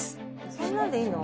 そんなんでいいの？